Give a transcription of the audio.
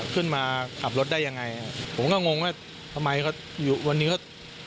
ขึ้นมาขับรถได้ยังไงผมก็งงว่าทำไมเขาอยู่วันนี้เขา